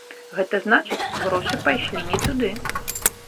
Гэта значыць, грошы пайшлі не туды.